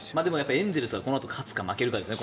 エンゼルスはこのあと勝つか負けるかですね